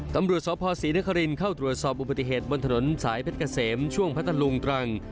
ตำรวจสพศรีนครินเข้าตรวจสอบอุบัติเหตุบนถนนสายเพชรเกษมช่วงพัทธลุงตรัง